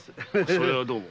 それはどうも。